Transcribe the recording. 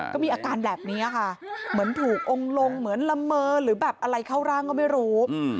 ก็มีอาการแบบนี้ค่ะเหมือนถูกองค์ลงเหมือนละเมอหรือแบบอะไรเข้าร่างก็ไม่รู้